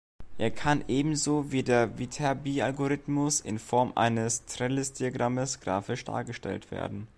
Er kann ebenso wie der Viterbi-Algorithmus in Form eines Trellis-Diagrammes grafisch dargestellt werden.